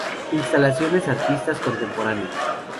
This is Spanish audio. Instalaciones artistas contemporáneos.